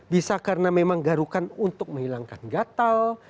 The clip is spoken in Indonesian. bisa karena memang garukan untuk menghilangkan gatal